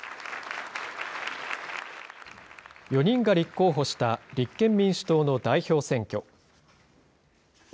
４人が立候補した立憲民主党の代表選挙。